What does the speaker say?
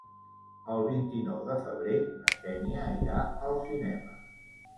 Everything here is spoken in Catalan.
El vint-i-nou de febrer na Xènia irà al cinema.